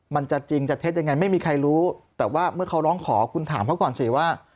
มันจะจริงจะเท็จยังไงไม่มีใครรู้แต่ว่าเมื่อเขาร้องขอคุณถามเขาก่อนสิว่า